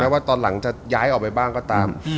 ว่าตอนหลังจะย้ายออกไปบ้างก็ตาม